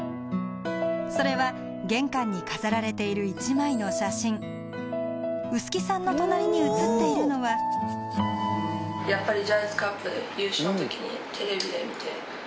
それは玄関に飾られている臼杵さんの隣に写っているのはやっぱり。